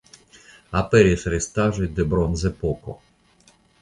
Aperis restaĵoj de Bronzepoko.